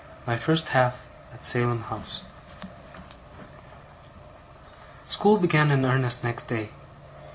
MY 'FIRST HALF' AT SALEM HOUSE School began in earnest next day.